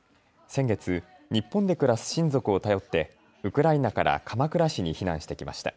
先月、日本で暮らす親族を頼ってウクライナから鎌倉市に避難してきました。